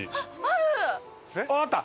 あった！